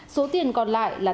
số tiền còn lại là tám trăm linh